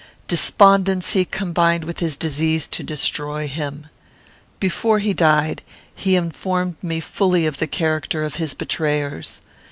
Despondency combined with his disease to destroy him. Before he died, he informed me fully of the character of his betrayers.